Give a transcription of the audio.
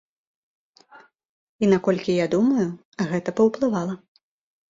І наколькі я думаю, гэта паўплывала.